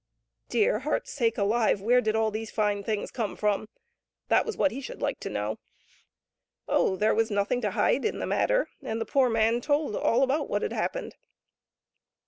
Dear heart's sake alive ! Where did all these fine things come from ? That was what he should like to know. Oh ! there was nothing to hide in the matter, and the poor man told all about what had happened.